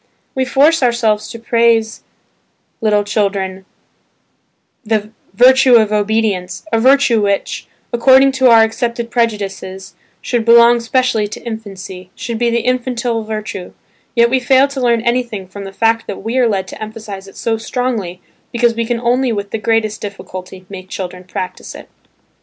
We force ourselves to praise to little children "the virtue of obedience" a virtue which, according to our accepted prejudices, should belong specially to infancy, should be the "infantile virtue" yet we fail to learn anything from the fact that we are led to emphasize it so strongly because we can only with the greatest difficulty make children practise it.